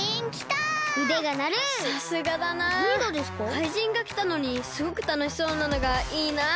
怪人がきたのにすごくたのしそうなのがいいなって。